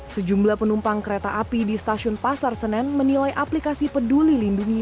sejumlah penumpang kereta api di stasiun pasar senen menilai aplikasi peduli lindungi